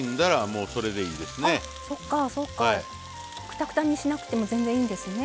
くたくたにしなくても全然いいんですね。